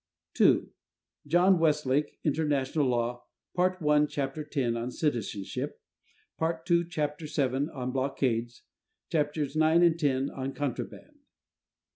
(2) John Westlake, "International Law," Part I, chapter x, on "Citizenship"; Part II, chapter vii, on "Blockades"; chapters ix and x on "Contraband."